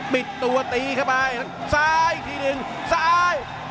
ปิดตัวตีเข้าไปซ้ายอีกทีหนึ่งซ้าย